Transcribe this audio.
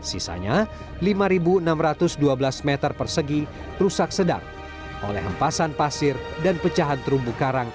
sisanya lima enam ratus dua belas meter persegi rusak sedang oleh hempasan pasir dan pecahan terumbu karang